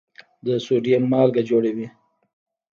د سوډیم مالګه جوړوي.